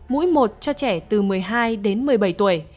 mũi một cho trẻ từ một mươi hai đến một mươi bảy tuổi